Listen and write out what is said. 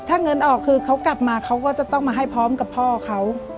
ถ้าเงินออกคือเขากลับมาเขาก็จะต้องมาให้พร้อมกับพ่อเขา